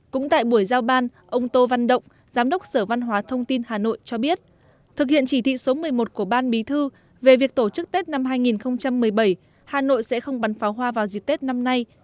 cũng tại buổi giao ban ông tô văn động giám đốc sở văn hóa thông tin hà nội cho biết thực hiện chỉ thị số một mươi một của ban bí thư về việc tổ chức tết năm hai nghìn một mươi bảy hà nội sẽ không bắn pháo hoa vào dịp tết năm nay